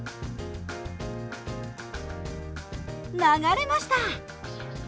流れました！